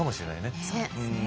そうですね。